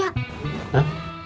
maksudnya apa sih apa